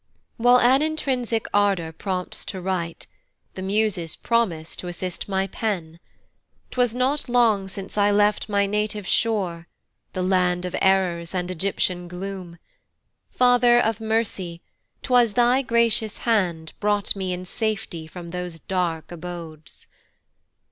WHILE an intrinsic ardor prompts to write, The muses promise to assist my pen; 'Twas not long since I left my native shore The land of errors, and Egyptian gloom: Father of mercy, 'twas thy gracious hand Brought me in safety from those dark abodes.